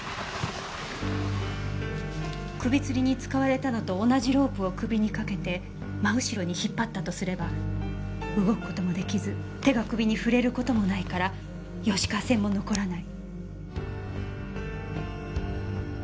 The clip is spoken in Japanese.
首つりに使われたのと同じロープを首にかけて真後ろに引っ張ったとすれば動く事も出来ず手が首に触れる事もないから吉川線も残らない。